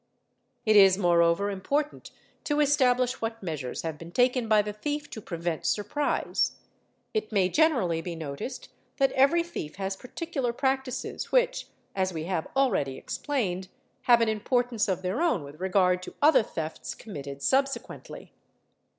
i It is moreover important to establish what measures have been taken by the thief to prevent surprise; it may generally be noticed that every thief has particular practices which, as we have already ex , 'plained, have an importance of their own with regard to other thefts e "committed subsequently.